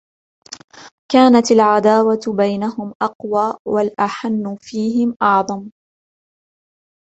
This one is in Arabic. كَانَتْ الْعَدَاوَةُ بَيْنَهُمْ أَقْوَى وَالْإِحَنُ فِيهِمْ أَعْظَمَ